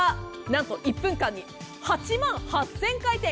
何と１分間に８万８０００回転。